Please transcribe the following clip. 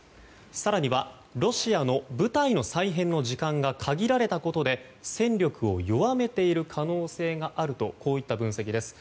更にはロシアの部隊の再編の時間が限られたことで戦力を弱めている可能性があるとこういった分析です。